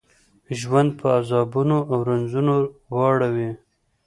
ژوند په عذابونو او رنځونو واړوي.